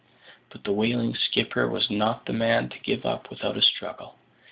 But the whaling skipper was not the man to give up without a struggle.